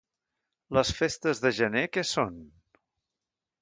Les festes de gener què són?